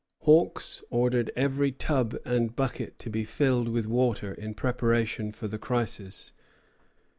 Hawks ordered every tub and bucket to be filled with water, in preparation for the crisis.